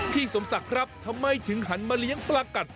สมศักดิ์ครับทำไมถึงหันมาเลี้ยงปลากัด